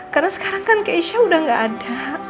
karena sekarang kan keisha udah gak ada